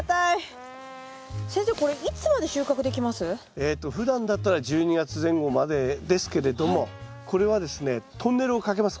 えっとふだんだったら１２月前後までですけれどもこれはですねトンネルをかけます